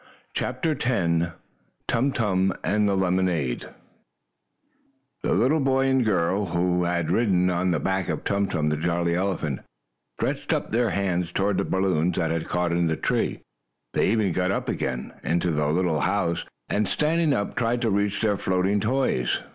CHAPTER X TUM TUM AND THE LEMONADE The little boy and girl, who had ridden on the back of Tum Tum, the jolly elephant, stretched up their hands toward the balloons that had caught in the tree. They even got up again into the little house, and, standing up, tried to reach their floating toys.